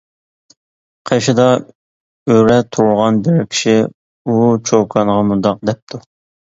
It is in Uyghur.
قېشىدا ئۆرە تۇرغان بىر كىشى ئۇ چوكانغا مۇنداق دەپتۇ.